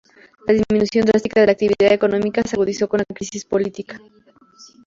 La disminución drástica de la actividad económica se agudizó con la crisis política.